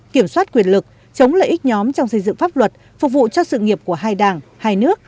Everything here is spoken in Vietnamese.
kiểm soát quyền lực chống lợi ích nhóm trong xây dựng pháp luật phục vụ cho sự nghiệp của hai đảng hai nước